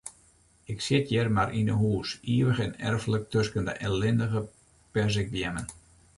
Ik sit hjir mar yn 'e hûs, ivich en erflik tusken dy ellindige perzikbeammen.